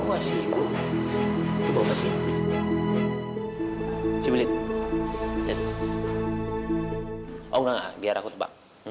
oh enggak enggak biar aku coba